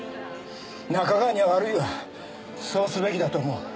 仲川には悪いがそうすべきだと思う。